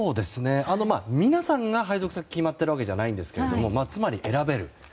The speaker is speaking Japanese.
皆さんが配属先決まっているわけじゃないんですけどつまり、選べる。